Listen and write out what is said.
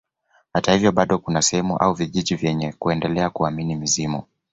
Hata hivyo bado kuna sehemu au vijiji vyenye kuendelea kuamini mizimu